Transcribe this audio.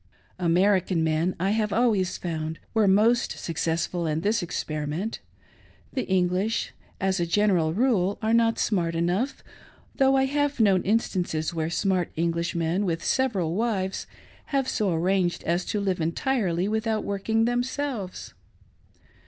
American men, I have always found, were most successful in this experiment ; the English, as a general rule, are not smart enough, thougli I have known instances "where smart Englishmen with several wives have so arranged as to live entirely without working themselves.